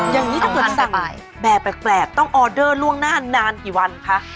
อย่างนี้ถ้าเกิดสั่งแบบแปลกต้องออเดอร์ล่วงหน้านานกี่วันคะ